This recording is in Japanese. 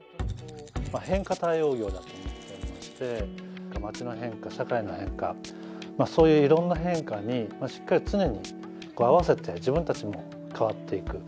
変化対応業だと思ってまして街の変化、社会の変化そういういろんな変化にしっかり常に合わせて自分たちも変わっていく。